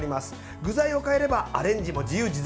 具材を変えればアレンジも自由自在。